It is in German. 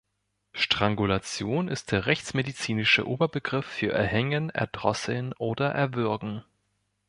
Strangulation ist der rechtsmedizinische Oberbegriff für Erhängen, Erdrosseln oder Erwürgen.